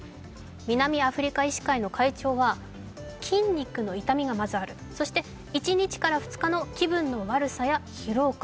南アフリカ医師会の会長は筋肉の痛みがあるそして１日から２日の気分の悪さや疲労感。